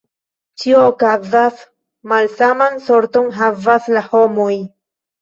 Ĉio okazas, malsaman sorton havas la homoj!